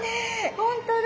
本当だ。